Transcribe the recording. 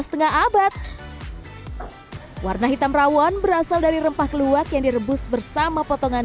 setengah abad warna hitam rawon berasal dari rempah keluak yang direbus bersama potongan